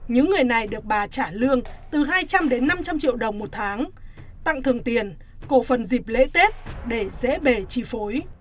những người này được bà trả lương từ hai trăm linh đến năm trăm linh triệu đồng một tháng tặng thường tiền cổ phần dịp lễ tết để dễ bề chi phối